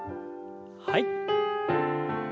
はい。